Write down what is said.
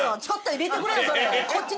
ちょっと入れてくれよ！